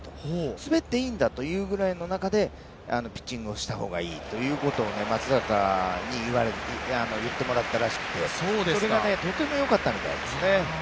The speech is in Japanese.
滑っていいんだというぐらいの中でピッチングをした方がいいということを松坂に言ってもらったらしくて、それがとてもよかったみたいですね。